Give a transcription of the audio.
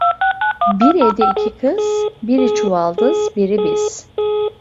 Bir evde iki kız, biri çuvaldız biri biz.